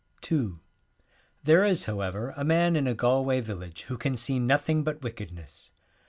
ii There is, however, a man in a Galway village who can see nothing but wicked ness.